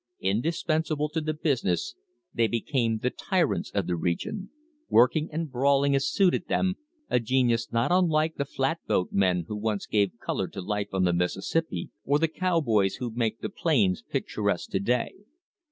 Indispensable to the business they became the tyrants of the region — working and brawling as suited them, a genius not unlike the flatboat men who once gave colour to life on the Mississippi, or the cowboys who make the plains picturesque to day.